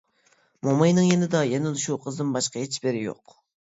موماينىڭ يېنىدا يەنىلا شۇ قىزدىن باشقا ھېچبىرى يوق.